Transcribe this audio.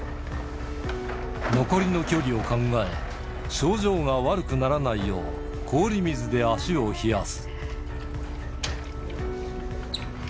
残りの距離を考え、症状が悪くならないよう、氷水で足を冷やす。